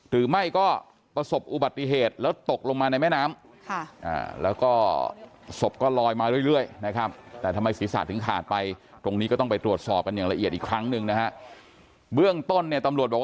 หรือไม่ก็ประสบอุบัติเหตุแล้วตกลงมาในแม่น้ำ